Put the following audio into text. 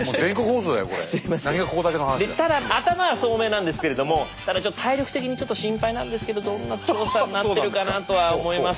でただ頭は聡明なんですけれどもただちょっと体力的に心配なんですけどどんな調査になってるかなとは思います。